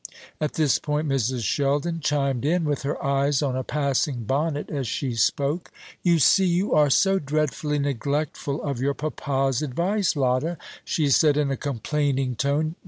At this point Mrs. Sheldon chimed in, with her eyes on a passing bonnet as she spoke. "You see, you are so dreadfully neglectful of your papa's advice, Lotta," she said, in a complaining tone.